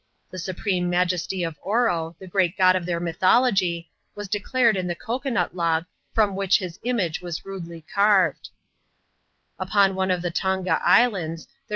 The supreme majesty of Oro, the great god of their mythology, was declared in the cocoa nut log from which his image was rudal^ caixed* Upon one of the Tonga Islands, tkere ^\»!